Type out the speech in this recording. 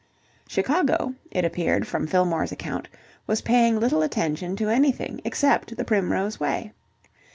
Chicago, it appeared from Fillmore's account, was paying little attention to anything except "The Primrose Way."